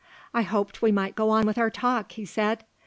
"I hoped we might go on with our talk," he said.